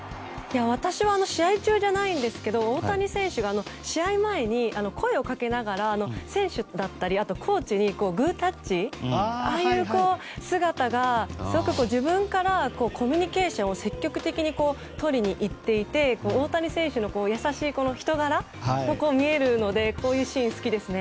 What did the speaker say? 私は試合中じゃないんですけど大谷選手が試合前に声をかけながら選手だったりコーチにグータッチああいう姿がすごく自分からコミュニケーションを積極的にとりにいっていて大谷選手の優しい人柄が見えるのでこういうシーン好きですね。